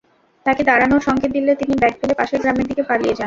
তাঁকে দাঁড়ানোর সংকেত দিলে তিনি ব্যাগ ফেলে পাশের গ্রামের দিকে পালিয়ে যান।